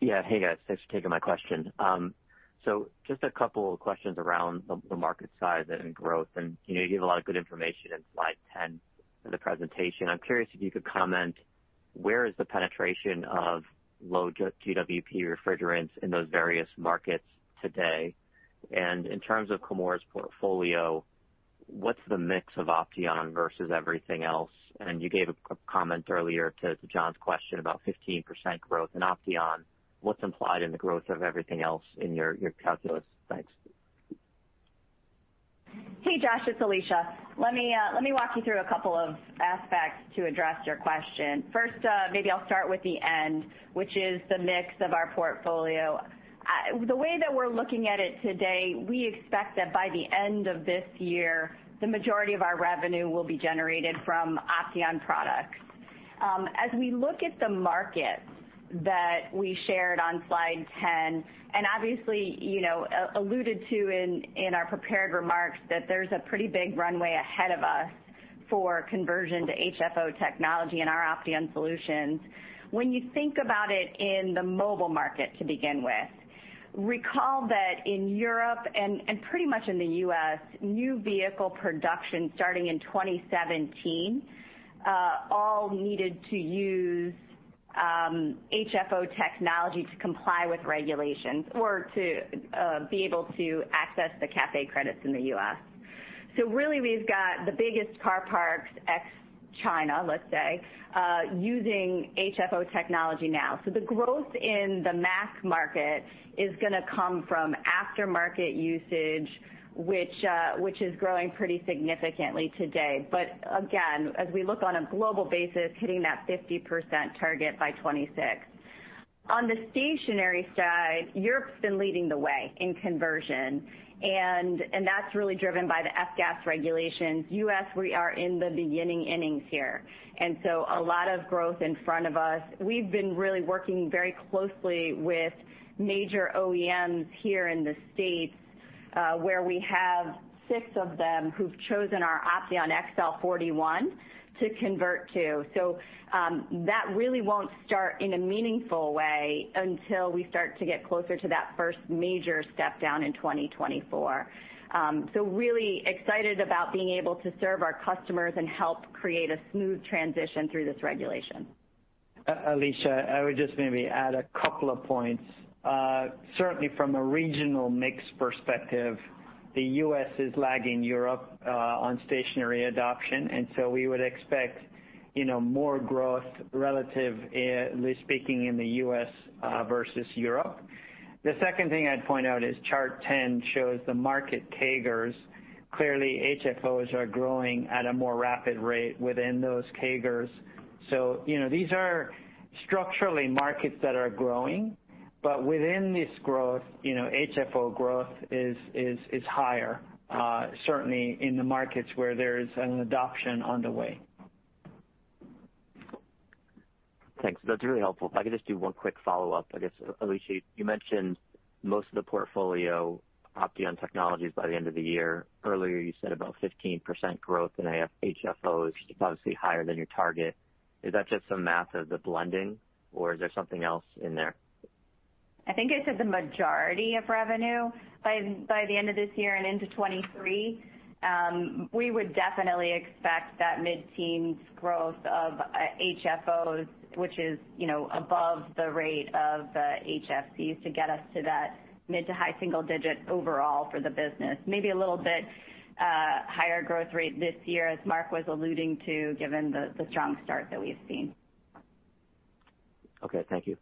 Yeah. Hey, guys. Thanks for taking my question. Just a couple of questions around the market size and growth. You know, you gave a lot of good information in slide 10 in the presentation. I'm curious if you could comment. Where is the penetration of low GWP refrigerants in those various markets today? In terms of Chemours' portfolio, what's the mix of Opteon versus everything else? You gave a comment earlier to John's question about 15% growth in Opteon. What's implied in the growth of everything else in your calculus? Thanks. Hey, Josh, it's Alisha. Let me walk you through a couple of aspects to address your question. First, maybe I'll start with the end, which is the mix of our portfolio. The way that we're looking at it today, we expect that by the end of this year, the majority of our revenue will be generated from Opteon products. As we look at the markets that we shared on slide 10, and obviously, you know, alluded to in our prepared remarks that there's a pretty big runway ahead of us for conversion to HFO technology and our Opteon solutions. When you think about it in the mobile market, to begin with, recall that in Europe and pretty much in the U.S., new vehicle production starting in 2017 all needed to use HFO technology to comply with regulations or to be able to access the CAFE credits in the U.S. Really we've got the biggest car parks ex-China, let's say, using HFO technology now. The growth in the mass market is gonna come from after-market usage, which is growing pretty significantly today. Again, as we look on a global basis, hitting that 50% target by 2026. On the stationary side, Europe's been leading the way in conversion, and that's really driven by the F-Gas regulations. U.S., we are in the beginning innings here, and so a lot of growth in front of us. We've been really working very closely with major OEMs here in the States, where we have six of them who've chosen our Opteon XL41 to convert to. That really won't start in a meaningful way until we start to get closer to that first major step down in 2024. Really excited about being able to serve our customers and help create a smooth transition through this regulation. Alisha, I would just maybe add a couple of points. Certainly from a regional mix perspective, the U.S. is lagging Europe on stationary adoption, and so we would expect, you know, more growth relatively speaking in the U.S. versus Europe. The second thing I'd point out is chart 10 shows the market CAGRs. Clearly, HFOs are growing at a more rapid rate within those CAGRs. You know, these are structurally markets that are growing, but within this growth, you know, HFO growth is higher, certainly in the markets where there is an adoption on the way. Thanks. That's really helpful. If I could just do one quick follow-up. I guess, Alisha, you mentioned most of the portfolio Opteon technologies by the end of the year. Earlier, you said about 15% growth in HFOs, obviously higher than your target. Is that just some math of the blending, or is there something else in there? I think I said the majority of revenue by the end of this year and into 2023. We would definitely expect that mid-teens growth of HFOs, which is, you know, above the rate of HFCs to get us to that mid- to high-single-digit overall for the business. Maybe a little bit higher growth rate this year, as Mark was alluding to, given the strong start that we've seen. Okay, thank you.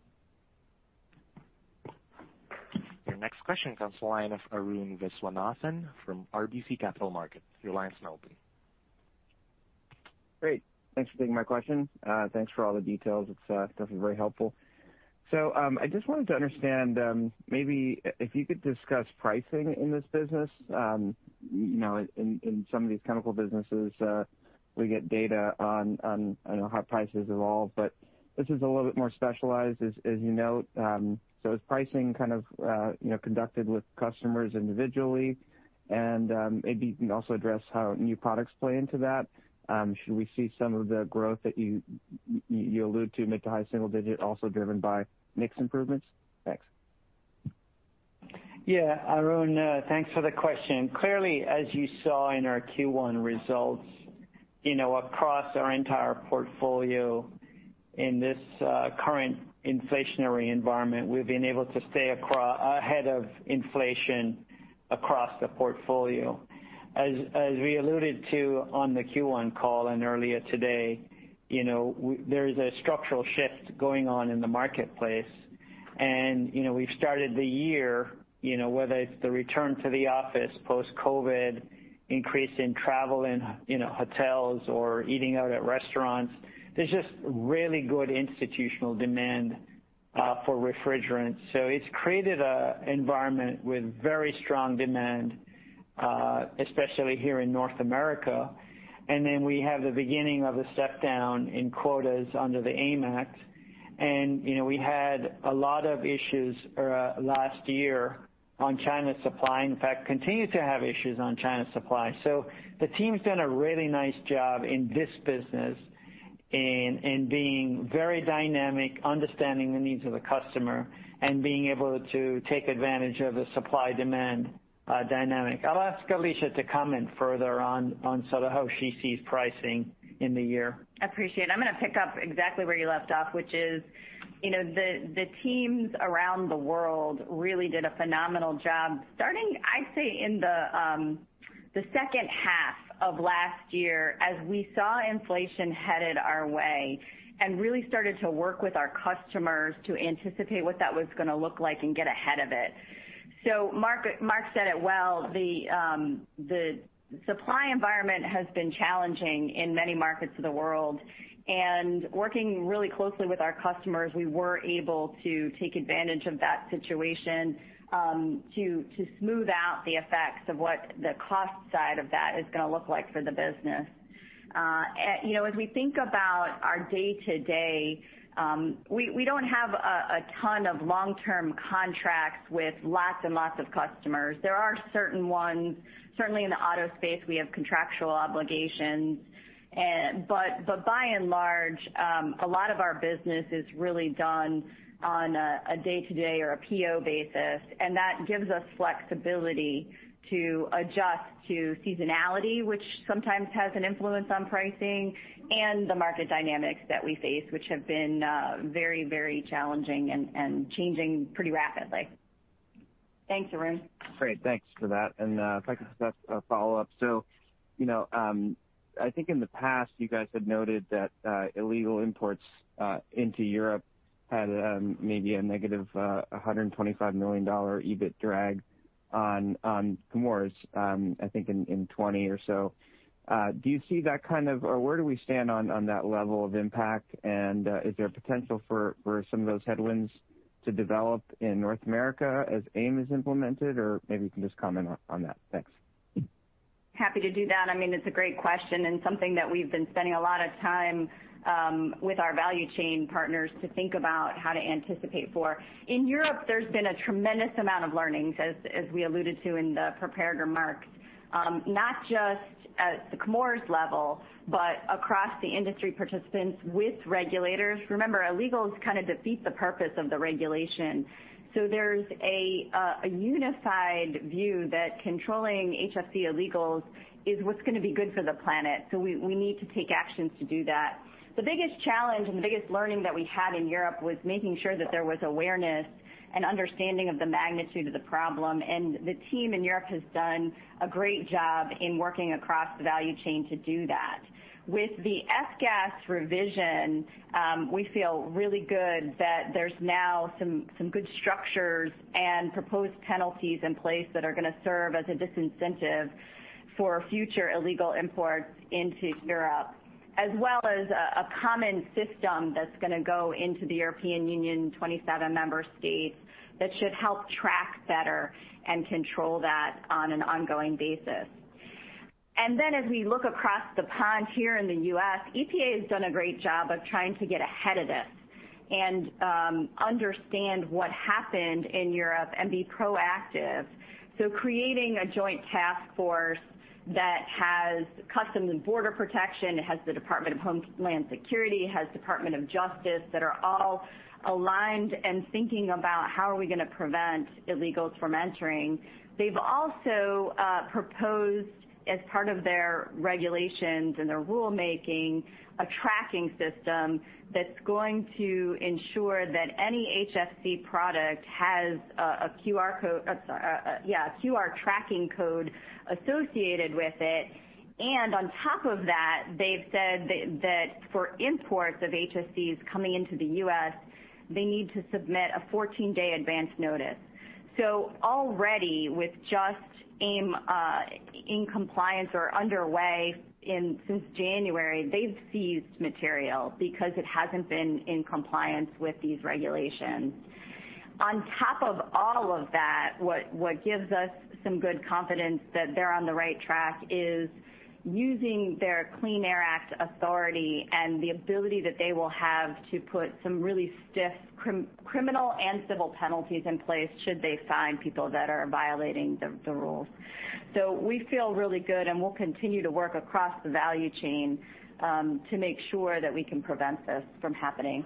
Your next question comes to line of Arun Viswanathan from RBC Capital Markets. Your line's now open. Great. Thanks for taking my question. Thanks for all the details. It's definitely very helpful. I just wanted to understand, maybe if you could discuss pricing in this business. You know, in some of these chemical businesses, we get data on, you know, how prices evolve, but this is a little bit more specialized as you note. Is pricing kind of, you know, conducted with customers individually? Maybe you can also address how new products play into that. Should we see some of the growth that you allude to mid- to high-single-digit also driven by mix improvements? Thanks. Yeah, Arun, thanks for the question. Clearly, as you saw in our Q1 results, you know, across our entire portfolio in this current inflationary environment, we've been able to stay ahead of inflation across the portfolio. As we alluded to on the Q1 call and earlier today, you know, there is a structural shift going on in the marketplace. You know, we've started the year, you know, whether it's the return to the office post-COVID, increase in travel in, you know, hotels or eating out at restaurants, there's just really good institutional demand for refrigerants. So it's created an environment with very strong demand, especially here in North America. We have the beginning of a step down in quotas under the AIM Act. You know, we had a lot of issues last year on China supply. In fact, continue to have issues on China supply. The team's done a really nice job in this business in being very dynamic, understanding the needs of the customer, and being able to take advantage of the supply-demand dynamic. I'll ask Alisha to comment further on sort of how she sees pricing in the year. Appreciate it. I'm gonna pick up exactly where you left off, which is, you know, the teams around the world really did a phenomenal job starting, I'd say, in the second half of last year as we saw inflation headed our way and really started to work with our customers to anticipate what that was gonna look like and get ahead of it. Mark said it well, the supply environment has been challenging in many markets of the world. Working really closely with our customers, we were able to take advantage of that situation, to smooth out the effects of what the cost side of that is gonna look like for the business. You know, as we think about our day-to-day, we don't have a ton of long-term contracts with lots and lots of customers. There are certain ones. Certainly in the auto space, we have contractual obligations, but by and large, a lot of our business is really done on a day-to-day or a PO basis, and that gives us flexibility to adjust to seasonality, which sometimes has an influence on pricing and the market dynamics that we face, which have been very challenging and changing pretty rapidly. Thanks, Arun. Great, thanks for that. If I could just ask a follow-up. I think in the past you guys had noted that illegal imports into Europe had maybe a negative $125 million EBIT drag on Chemours, I think in 2020 or so. Do you see that kind of or where do we stand on that level of impact? Is there potential for some of those headwinds to develop in North America as AIM is implemented? Or maybe you can just comment on that. Thanks. Happy to do that. I mean, it's a great question and something that we've been spending a lot of time with our value chain partners to think about how to anticipate for. In Europe, there's been a tremendous amount of learnings as we alluded to in the prepared remarks, not just at the Chemours level, but across the industry participants with regulators. Remember, illegals kinda defeat the purpose of the regulation. There's a unified view that controlling HFC illegals is what's gonna be good for the planet, so we need to take actions to do that. The biggest challenge and the biggest learning that we had in Europe was making sure that there was awareness and understanding of the magnitude of the problem, and the team in Europe has done a great job in working across the value chain to do that. With the F-Gas revision, we feel really good that there's now some good structures and proposed penalties in place that are gonna serve as a disincentive for future illegal imports into Europe, as well as a common system that's gonna go into the European Union 27 member states that should help track better and control that on an ongoing basis. As we look across the pond here in the U.S., EPA has done a great job of trying to get ahead of this and understand what happened in Europe and be proactive, so creating a joint task force that has Customs and Border Protection, it has the Department of Homeland Security, it has Department of Justice, that are all aligned and thinking about how are we gonna prevent illegals from entering. They've also proposed, as part of their regulations and their rulemaking, a tracking system that's going to ensure that any HFC product has a QR tracking code associated with it. On top of that, they've said that for imports of HFCs coming into the U.S., they need to submit a 14-day advance notice. Already with just AIM in compliance or underway since January, they've seized material because it hasn't been in compliance with these regulations. On top of all of that, what gives us some good confidence that they're on the right track is using their Clean Air Act authority and the ability that they will have to put some really stiff criminal and civil penalties in place should they find people that are violating the rules. We feel really good, and we'll continue to work across the value chain, to make sure that we can prevent this from happening.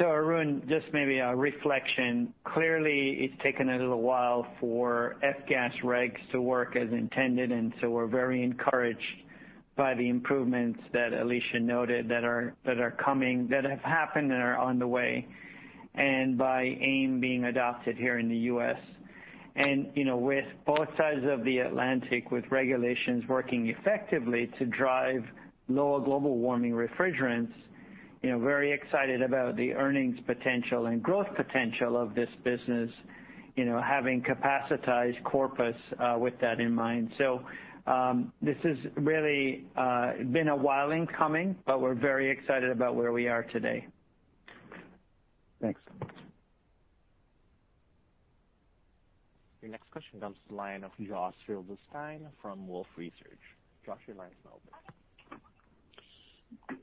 Arun, just maybe a reflection. Clearly, it's taken a little while for F-Gas regs to work as intended. We're very encouraged by the improvements that Alisha noted that are coming, that have happened and are on the way, and by AIM being adopted here in the U.S. You know, with both sides of the Atlantic, with regulations working effectively to drive lower global warming refrigerants, you know, very excited about the earnings potential and growth potential of this business, you know, having capacitized Corpus Christi with that in mind. This has really been a while in coming, but we're very excited about where we are today. Thanks. Your next question comes to the line of Josh Silverstein from Wolfe Research. Josh, your line is now open.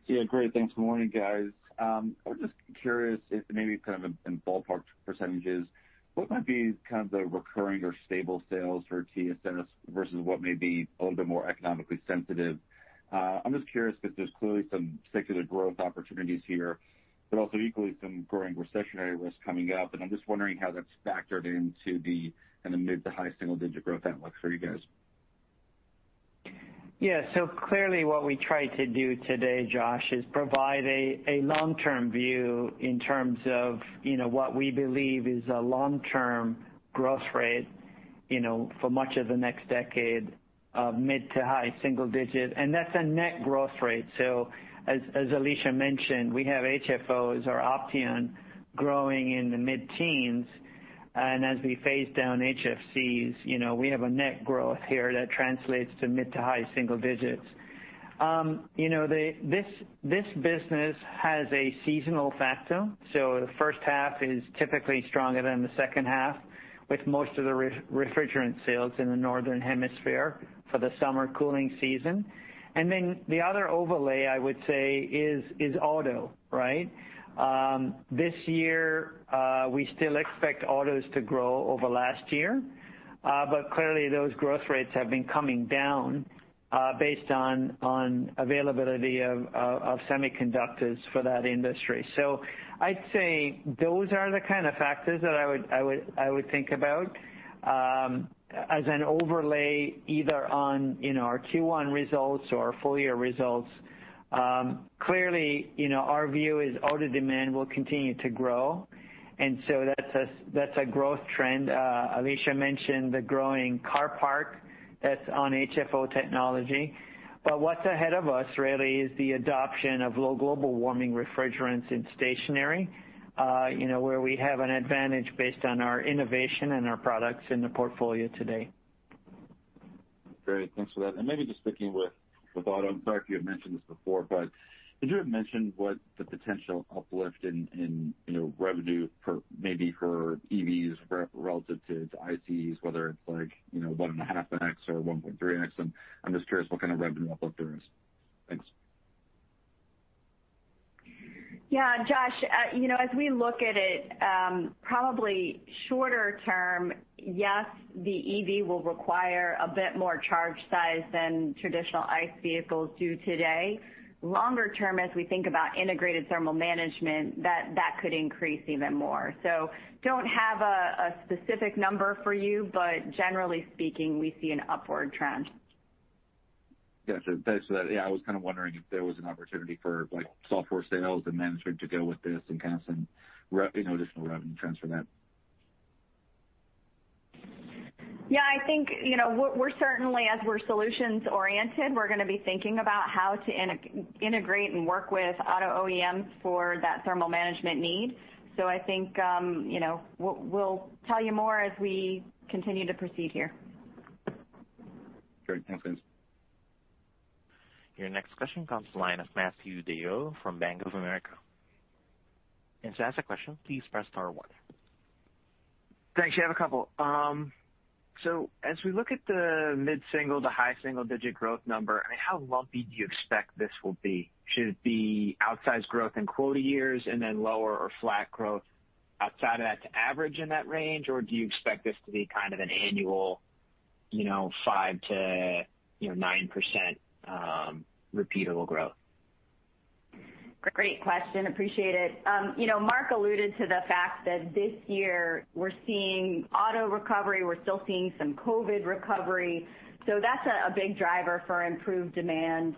Yeah, great. Thanks. Morning, guys. I was just curious if maybe kind of in ballpark percentages, what might be kind of the recurring or stable sales for key incentives versus what may be a little bit more economically sensitive. I'm just curious because there's clearly some secular growth opportunities here, but also equally some growing recessionary risk coming up. I'm just wondering how that's factored into the mid- to high-single-digit growth outlook for you guys. Yeah. Clearly what we tried to do today, Josh, is provide a long-term view in terms of, you know, what we believe is a long-term growth rate, you know, for much of the next decade of mid- to high-single-digit. That's a net growth rate. As Alisha mentioned, we have HFOs or Opteon growing in the mid-teens. As we phase down HFCs, you know, we have a net growth here that translates to mid- to high-single-digits. This business has a seasonal factor. The first half is typically stronger than the second half, with most of the refrigerant sales in the Northern Hemisphere for the summer cooling season. Then the other overlay, I would say is auto, right? This year, we still expect autos to grow over last year, but clearly those growth rates have been coming down, based on availability of semiconductors for that industry. I'd say those are the kind of factors that I would think about, as an overlay either on, you know, our Q1 results or our full year results. Clearly, you know, our view is auto demand will continue to grow, and so that's a growth trend. Alisha mentioned the growing car park that's on HFO technology. What's ahead of us really is the adoption of low global warming refrigerants in stationary, you know, where we have an advantage based on our innovation and our products in the portfolio today. Great. Thanks for that. Maybe just sticking with auto, I'm sorry if you had mentioned this before, but did you have mentioned what the potential uplift in, you know, revenue for maybe for EVs relative to ICE, whether it's like, you know, 1.5x or 1.3x? I'm just curious what kind of revenue uplift there is. Thanks. Yeah, Josh, you know, as we look at it, probably shorter term, yes, the EV will require a bit more charge size than traditional ICE vehicles do today. Longer term, as we think about integrated thermal management, that could increase even more. Don't have a specific number for you, but generally speaking, we see an upward trend. Got you. Thanks for that. Yeah, I was kind of wondering if there was an opportunity for like software sales and management to go with this and kind of some you know, additional revenue trends for that. Yeah, I think, you know, we're certainly as we're solutions oriented, we're gonna be thinking about how to integrate and work with auto OEMs for that thermal management need. I think, you know, we'll tell you more as we continue to proceed here. Great. Thanks. Your next question comes from the line of Matthew DeYoe from Bank of America. To ask a question, please press star one. Thanks. I have a couple. As we look at the mid-single to high single digit growth number, I mean, how lumpy do you expect this will be? Should it be outsized growth in quote years and then lower or flat growth outside of that to average in that range? Or do you expect this to be kind of an annual, you know, five to, you know, 9% repeatable growth? Great question. Appreciate it. You know, Mark alluded to the fact that this year we're seeing auto recovery. We're still seeing some COVID recovery. That's a big driver for improved demand.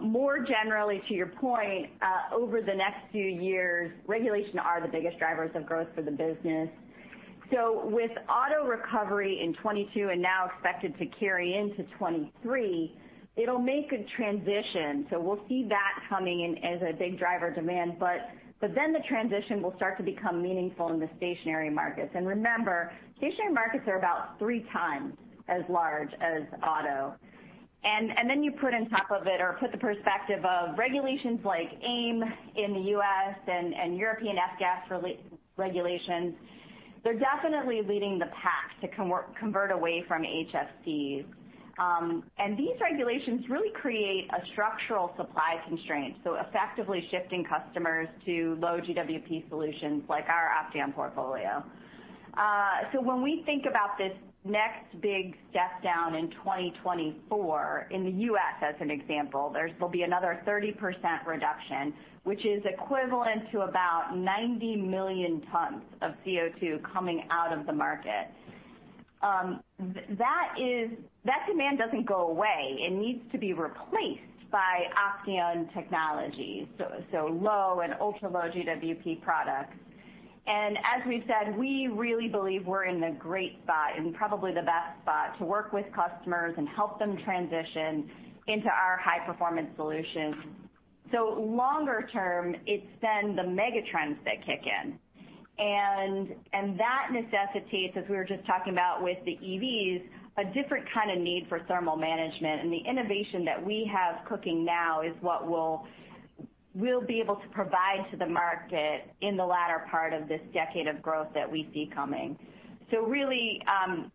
More generally to your point, over the next few years, regulations are the biggest drivers of growth for the business. With auto recovery in 2022 and now expected to carry into 2023, it'll make a transition. We'll see that coming in as a big driver demand, then the transition will start to become meaningful in the stationary markets. Remember, stationary markets are about three times as large as auto. Then you put on top of it or put the perspective of regulations like AIM in the U.S. and European F-gas regulations. They're definitely leading the pack to convert away from HFCs. These regulations really create a structural supply constraint, so effectively shifting customers to low GWP solutions like our Opteon portfolio. When we think about this next big step down in 2024 in the U.S. as an example, there will be another 30% reduction, which is equivalent to about 90 million tons of CO2 coming out of the market. That demand doesn't go away. It needs to be replaced by Opteon technology, so low and ultra-low GWP products. As we've said, we really believe we're in a great spot and probably the best spot to work with customers and help them transition into our high-performance solutions. Longer term, it's then the mega trends that kick in. That necessitates, as we were just talking about with the EVs, a different kind of need for thermal management. The innovation that we have cooking now is what we'll be able to provide to the market in the latter part of this decade of growth that we see coming. Really,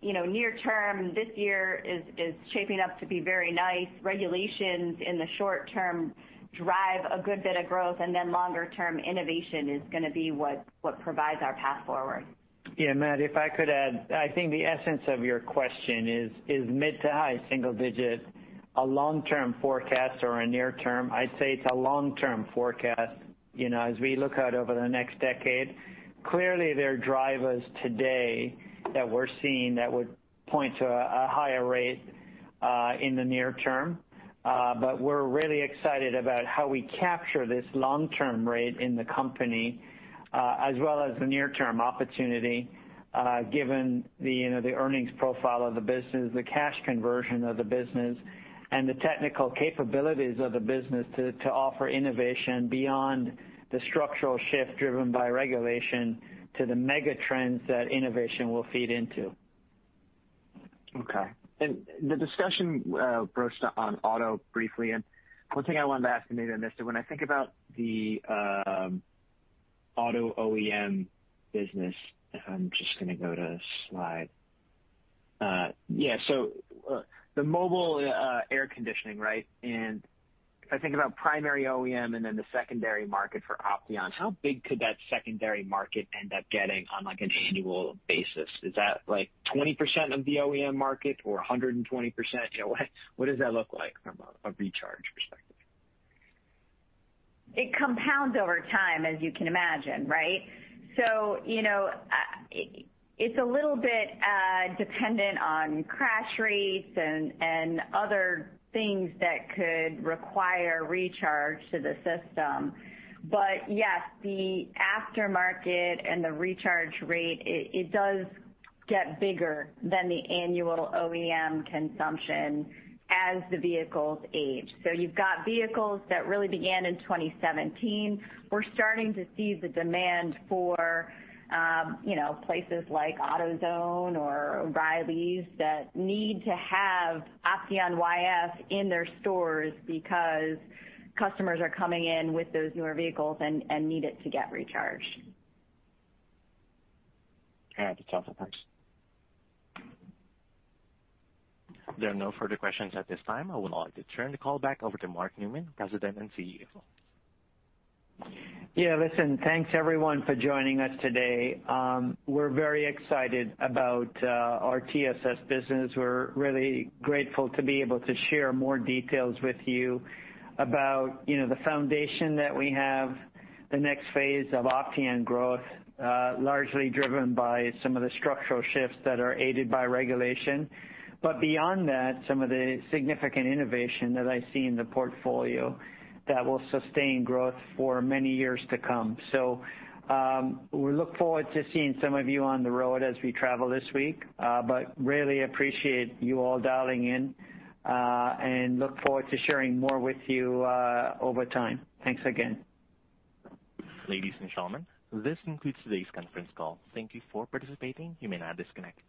you know, near term this year is shaping up to be very nice. Regulations in the short term drive a good bit of growth, and then longer term innovation is gonna be what provides our path forward. Yeah, Matt, if I could add, I think the essence of your question is mid- to high-single-digit a long-term forecast or a near-term? I'd say it's a long-term forecast, you know, as we look out over the next decade. Clearly, there are drivers today that we're seeing that would point to a higher rate in the near-term. But we're really excited about how we capture this long-term rate in the company, as well as the near-term opportunity, given the, you know, the earnings profile of the business, the cash conversion of the business, and the technical capabilities of the business to offer innovation beyond the structural shift driven by regulation to the mega trends that innovation will feed into. Okay. The discussion brushed on auto briefly, and one thing I wanted to ask Alisha, when I think about the auto OEM business, the mobile air conditioning, right? If I think about primary OEM and then the secondary market for Opteon, how big could that secondary market end up getting on, like, an annual basis? Is that, like, 20% of the OEM market or 120%? You know, what does that look like from a recharge perspective? It compounds over time, as you can imagine, right? You know, it's a little bit dependent on crash rates and other things that could require recharge to the system. Yes, the aftermarket and the recharge rate, it does get bigger than the annual OEM consumption as the vehicles age. You've got vehicles that really began in 2017. We're starting to see the demand for, you know, places like AutoZone or O'Reilly's that need to have Opteon YF in their stores because customers are coming in with those newer vehicles and need it to get recharged. All right. That's all, so thanks. There are no further questions at this time. I would like to turn the call back over to Mark Newman, President and CEO. Yeah. Listen, thanks, everyone, for joining us today. We're very excited about our TSS business. We're really grateful to be able to share more details with you about, you know, the foundation that we have, the next phase of Opteon growth, largely driven by some of the structural shifts that are aided by regulation. Beyond that, some of the significant innovation that I see in the portfolio that will sustain growth for many years to come. We look forward to seeing some of you on the road as we travel this week, but really appreciate you all dialing in, and look forward to sharing more with you over time. Thanks again. Ladies and gentlemen, this concludes today's conference call. Thank you for participating. You may now disconnect.